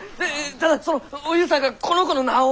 ただそのおゆうさんがこの子の名を。